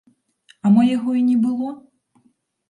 А мо яго і не было?